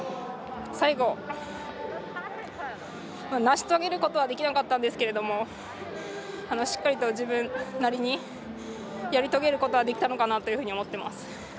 最後、成し遂げることはできなかったんですけどしっかりと自分なりにやり遂げることはできたのかなと思っています。